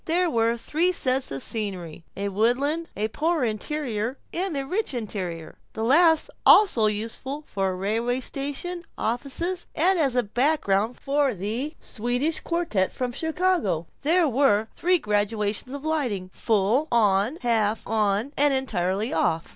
There were three sets of scenery: a woodland, a Poor Interior, and a Rich Interior, the last also useful for railway stations, offices, and as a background for the Swedish Quartette from Chicago. There were three gradations of lighting: full on, half on, and entirely off.